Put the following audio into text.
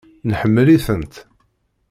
Neḥemmel-itent.